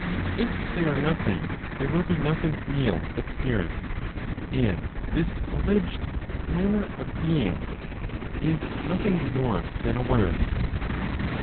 If they are nothing, there will be nothing real but spirit, and this alleged "manner of being" is nothing more than a word.